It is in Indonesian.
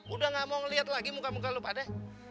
udah gak mau ngeliat lagi muka muka lo pada